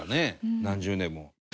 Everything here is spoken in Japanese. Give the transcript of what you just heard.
何十年も。